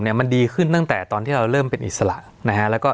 สวัสดีครับทุกผู้ชม